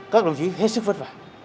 các đồng chí hết sức vất vả